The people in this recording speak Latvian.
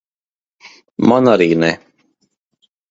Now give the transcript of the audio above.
Man arī ne.